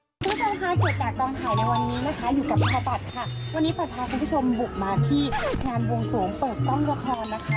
สวัสดีครับคุณผู้ชมค่ะเกษตรกลางถ่ายในวันนี้นะคะอยู่กับพระปัจค่ะวันนี้พระพระคุณผู้ชมบุกมาที่นางวงสูงเปิดกล้องละครนะคะ